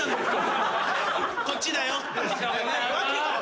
こっちだよって。